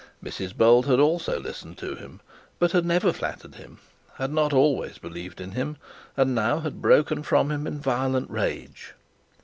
Mrs Bold had also listened to him, but had never flattered him; had not always believed in him: and now had broken from him in violent rage.